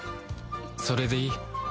それでいい